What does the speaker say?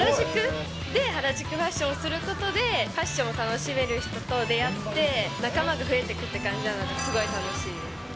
原宿ファッションをすることでファッションを楽しめる人と出会って、仲間が増えてくって感じなので、すごい楽しいです。